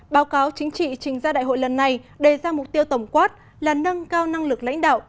báo cáo chính trị trình ra đại hội lần này đề ra mục tiêu tổng quát là nâng cao năng lực lãnh đạo